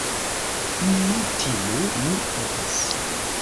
Ne timu, mi petas.